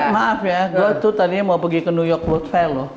maaf ya gue tuh tadinya mau pergi ke new york world fel loh